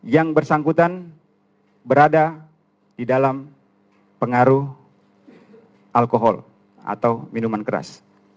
yang bersangkutan berada di dalam pengaruh alkohol atau minuman keras